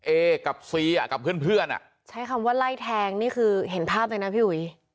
เอ๊กับซีกับเพื่อนใช้คำว่าไล่แทงนี่คือเห็นภาพเลยนะพี่หุย